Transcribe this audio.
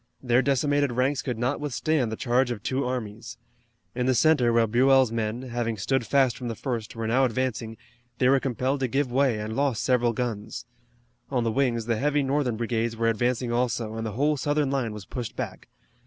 Their decimated ranks could not withstand the charge of two armies. In the center where Buell's men, having stood fast from the first, were now advancing, they were compelled to give way and lost several guns. On the wings the heavy Northern brigades were advancing also, and the whole Southern line was pushed back.